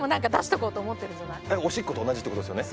おしっこと同じってことですよね？